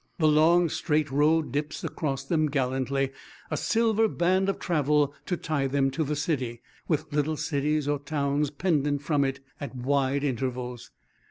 The long straight road dips across them gallantly, a silver band of travel to tie them to the city, with little cities or towns pendent from it at wide intervals.